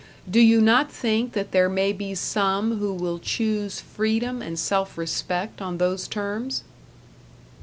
Do you not think that there may be some who will choose freedom and self respect on those terms?